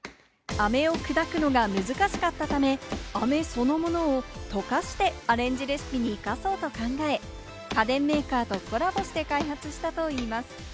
アメを砕くのが難しかったため、アメそのものを、溶かしてアレンジレシピに生かそうと考え、家電メーカーとコラボして開発したといいます。